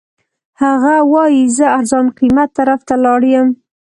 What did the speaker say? هغه وایي زه ارزان قیمت طرف ته لاړ یم.